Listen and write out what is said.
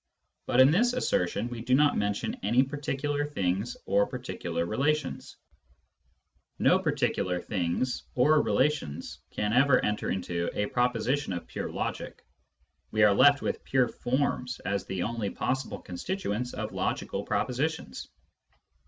But in this assertion we do not mention any particular things or particular relations ; no particular things or relations can ever enter into a proposition of pure logic. We are left with pure forms as the only possible constituents of logical propositions.